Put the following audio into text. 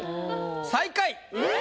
最下位。